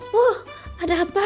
bu ada apa